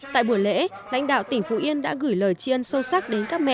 tại buổi lễ lãnh đạo tỉnh phú yên đã gửi lời chiên sâu sắc đến các mẹ